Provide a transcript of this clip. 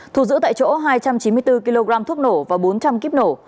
thu giữ tại chỗ hai trăm chín mươi bốn kg thuốc nổ và bốn trăm linh kíp nổ